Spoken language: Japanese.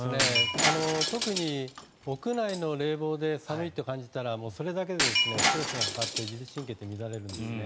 特に屋内の冷房で寒いと感じたらそれだけでストレスがかかって自律神経って乱れるんですね。